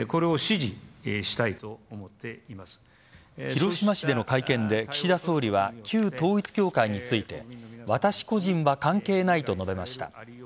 広島市での会見で岸田総理は旧統一教会について私個人は関係ないと述べました。